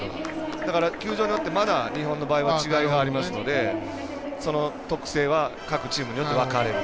だから、球場によって日本の場合はまだ違いがありますのでその特性は各チームによって分かれる。